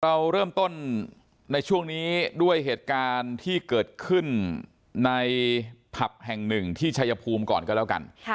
เราเริ่มต้นในช่วงนี้ด้วยเหตุการณ์ที่เกิดขึ้นในผับแห่งหนึ่งที่ชายภูมิก่อนก็แล้วกัน